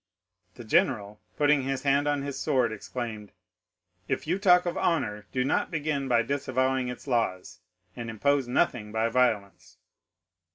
The general, putting his hand on his sword, exclaimed,—"If you talk of honor, do not begin by disavowing its laws, and impose nothing by violence."